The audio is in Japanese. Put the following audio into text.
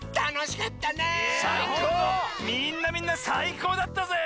みんなみんなさいこうだったぜ！